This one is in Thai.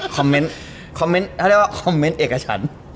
คอมเม้นต์เขาเรียกว่าคอมเม้นต์เอกชั้น